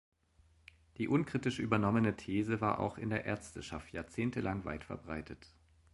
Die unkritisch übernommene These war auch in der Ärzteschaft jahrzehntelang weit verbreitet.